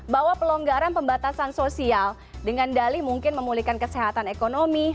bahwa pelonggaran pembatasan sosial dengan dali mungkin memulihkan kesehatan ekonomi